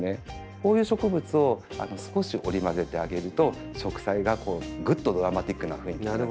こういう植物を少し織り交ぜてあげると植栽がぐっとドラマチックな雰囲気に。